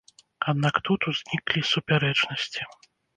Аднак тут узніклі супярэчнасці.